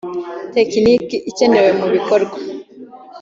tekiniki ikenewe mu bikorwa